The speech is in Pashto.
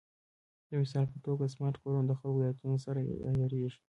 د مثال په توګه، سمارټ کورونه د خلکو د عادتونو سره عیارېږي.